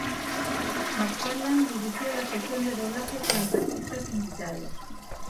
MacFarlane dirigió la sesión de doblaje con los artistas invitados.